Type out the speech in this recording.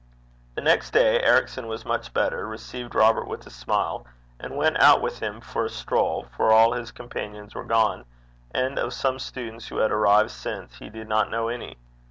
The next day Ericson was much better, received Robert with a smile, and went out with him for a stroll, for all his companions were gone, and of some students who had arrived since he did not know any.